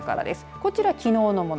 こちらは、きのうのもの。